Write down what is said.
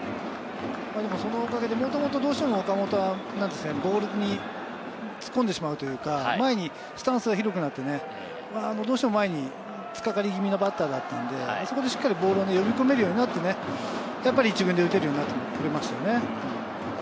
そのおかげで岡本はボールに突っ込んでしまう、前にスタンスが広くなって、前に突っかかり気味のバッターだったので、そこでしっかりボールを呼び込めるようになって、自分で打てるようになりましたよね。